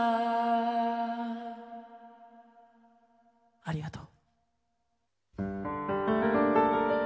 ありがとう。